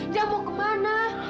jah mau ke mana